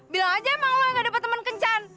bilang aja emang lo yang gak dapet temen kencan